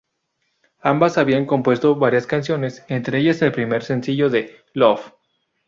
Ambas habían compuesto varias canciones, entre ellas el primer sencillo de "Love.